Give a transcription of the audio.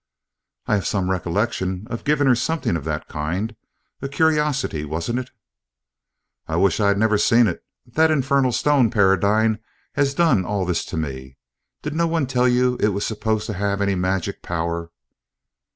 "I have some recollection of giving her something of that kind. A curiosity, wasn't it?" "I wish I had never seen it. That infernal stone, Paradine, has done all this to me. Did no one tell you it was supposed to have any magic power?"